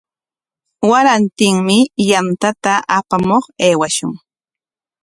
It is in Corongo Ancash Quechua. Warantinmi yantata apamuq aywashun.